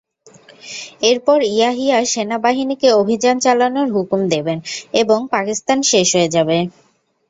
এরপর ইয়াহিয়া সেনাবাহিনীকে অভিযান চালানোর হুকুম দেবেন এবং পাকিস্তান শেষ হয়ে যাবে।